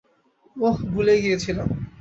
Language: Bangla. ওহ, ভুলেই গিয়েছিলাম।